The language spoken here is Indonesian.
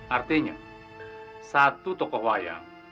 artinya satu tokoh wayang